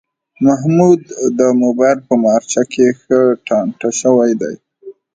محمود د مبایل په مارچه کې ښه ټانټه شوی دی.